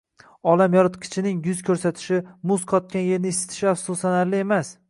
Olam yoritgichining yuz ko‘rsatishi, muz qotgan yerni isitishi afsuslanarli emas